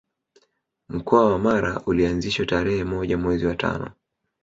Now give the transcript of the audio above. Mkoa wa Mara ulianzishwa tarerhe moja mwezi wa tano